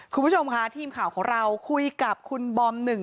คุณผู้ชมค่ะทีมข่าวของเราคุยกับคุณบอมหนึ่ง